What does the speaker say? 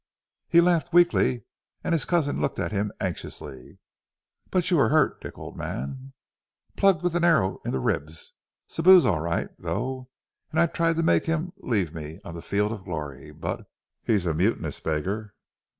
He laughed weakly, and his cousin looked at him anxiously. "But you are hurt, Dick, old man?" "Plugged ... with an arrow ... in the ribs. Sibou's all right, though. And I tried to make him ... leave me ... on the field of glory. B but he's a mutinous beggar."